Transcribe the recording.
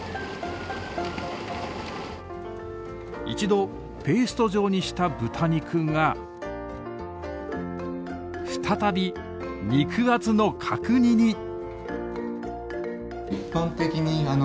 一度ペースト状にした豚肉が再び肉厚の角煮に！